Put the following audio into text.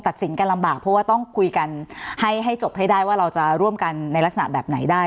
สินกันลำบากเพราะว่าต้องคุยกันให้จบให้ได้ว่าเราจะร่วมกันในลักษณะแบบไหนได้